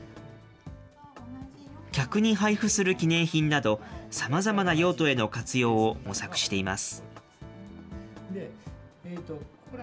客に配布する記念品など、さまざまな用途への活用を模索しています。